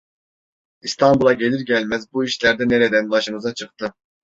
İstanbul'a gelir gelmez bu işler de nereden başımıza çıktı?